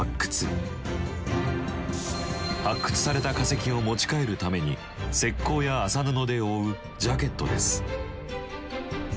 発掘された化石を持ち帰るために石こうや麻布で覆うジャケットです。